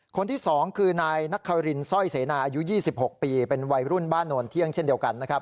คนที่๒คือนายนักคารินสร้อยเสนาอายุ๒๖ปีเป็นวัยรุ่นบ้านโนนเที่ยงเช่นเดียวกันนะครับ